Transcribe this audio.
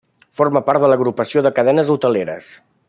Forma part de l'Agrupació de Cadenes Hoteleres.